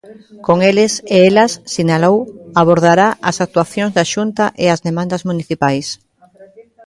Con eles e elas, sinalou, abordará as actuacións da Xunta e as demandas municipais.